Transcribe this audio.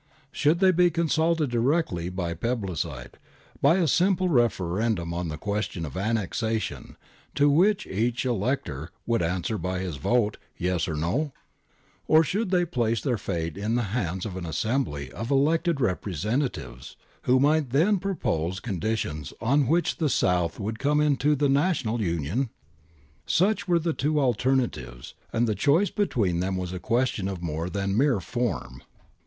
Should they be consulted directly by plebiscite, by a simple referendum on the question of annexation, to which each elector could answer by his vote, ' yes ' or ' no '? Or should they place their fate in the hands of an assembly of elected representatives, who might then propose con ditions on which the South would come into the Na tional union ? Such were the two alternatives, and the choice between them was a question of more than mere form.